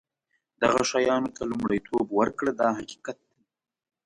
دغه شیانو ته لومړیتوب ورکړه دا حقیقت دی.